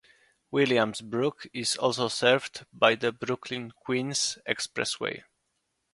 Williamsburg is also served by the Brooklyn-Queens Expressway.